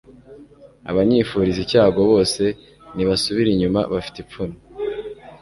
Abanyifuriza icyago bose nibasubire inyuma bafite ipfunwe